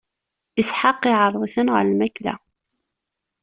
Isḥaq iɛreḍ-iten ɣer lmakla.